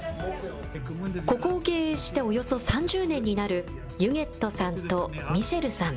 ここを経営しておよそ３０年になるユゲットさんとミシェルさん。